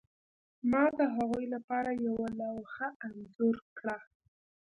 ما د هغوی لپاره یوه لوحه انځور کړه